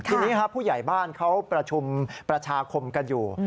ทีนี้ครับผู้ใหญ่บ้านเขาประชุมประชาคมกันอยู่